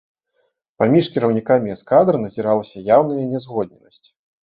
Паміж кіраўнікамі эскадр назіралася яўная няўзгодненасць.